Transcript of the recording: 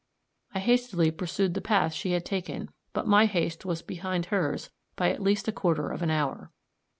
I hastily pursued the path she had taken; but my haste was behind hers by at least a quarter of an hour.